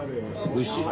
おいしい？